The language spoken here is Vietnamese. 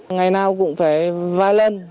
ngày nào cũng phải vai lên